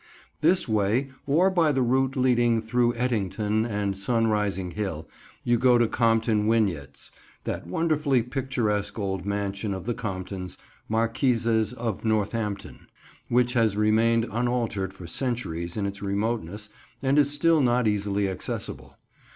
This way, or by the route leading through Ettington and Sunrising Hill, you go to Compton Wynyates, that wonderfully picturesque old mansion of the Comptons, Marquises of Northampton, which has remained unaltered for centuries in its remoteness, and is still not easily accessible.